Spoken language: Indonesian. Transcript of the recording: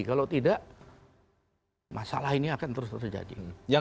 kalau tidak masalah ini akan terus terjadi